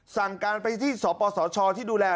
สั่งการไปที่สปสชที่ดูแล